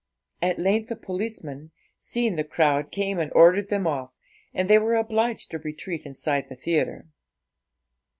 At length a policeman, seeing the crowd, came and ordered them off, and they were obliged to retreat inside the theatre.